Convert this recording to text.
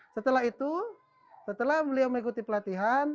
setelah itu setelah beliau mengikuti pelatihan